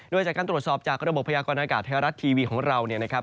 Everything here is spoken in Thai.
โดยจากการตรวจสอบจากระบบพยากรณากาศไทยรัฐทีวีของเราเนี่ยนะครับ